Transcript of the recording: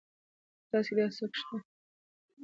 په تاسي کې داسې څوک شته.